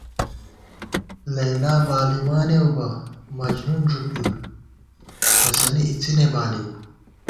لیلی بالِمانېؤ بہ، مجنون ݫُپِؤ، تسَنی اِڅِنے بالِؤ